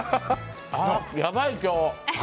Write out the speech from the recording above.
やばい、今日。